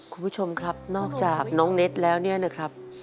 คุณผู้ชมครับนอกจากน้องเน็ตแล้วเนี่ยนะครับ